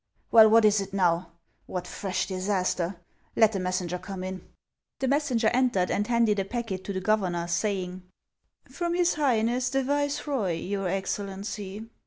" Well, what is it now ? What fresh disaster ! Let the messenger come in." The messenger entered, and handed a packet to the governor, saying, " From his highness the viceroy, your Excellency."